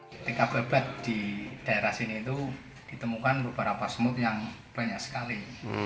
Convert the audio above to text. ketika bebet di daerah sini itu ditemukan beberapa semut yang banyak sekali